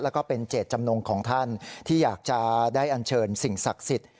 แล้วก็เป็นเจตจำนงของท่านที่อยากจะได้อันเชิญสิ่งศักดิ์สิทธิ์